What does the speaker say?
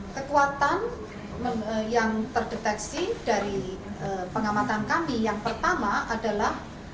kekuatan yang terdeteksi dari pengamatan kami yang pertama adalah